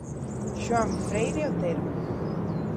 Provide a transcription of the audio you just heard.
Xoán Freire Otero.